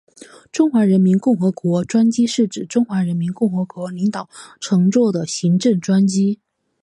中华人民共和国专机是指中华人民共和国领导人乘坐的行政专机。